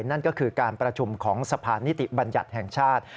นั่นก็คือการประชุมของสะพานนิติบัญญัติแห่งชาติ